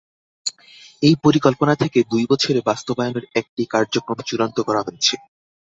এই পরিকল্পনা থেকে দুই বছরে বাস্তবায়নের একটি কার্যক্রম চূড়ান্ত করা হয়েছে।